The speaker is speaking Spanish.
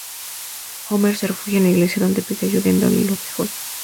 Homer se refugia en la iglesia, donde pide ayuda al Reverendo Lovejoy.